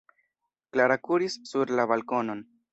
Klara kuris sur la balkonon.